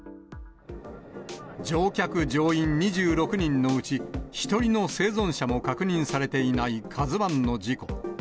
乗客・乗員２６人のうち、１人の生存者も確認されていないＫＡＺＵＩの事故。